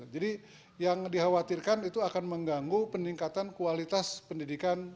yang dikhawatirkan itu akan mengganggu peningkatan kualitas pendidikan